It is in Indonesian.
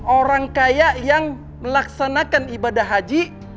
orang kaya yang melaksanakan ibadah haji